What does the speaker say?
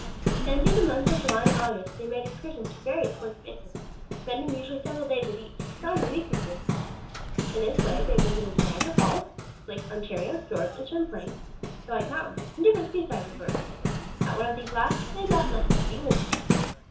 Then through the months of July and August, they made excursions to various points of interest, spending usually several days at each; sometimes a week or two. In this way they visited Niagara Falls, Lakes Ontario, George and Champlain, the White Mountains, and different seaside resorts. At one of these last, they met Lester Leland again.